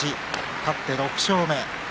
勝って６勝目。